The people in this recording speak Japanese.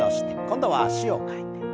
今度は脚を替えて。